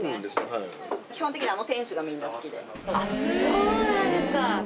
そうなんですか。